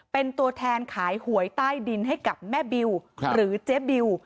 เป็นตัวแทนขายหวยใต้ดินให้กับแม่บิวหรือเจ๊บิว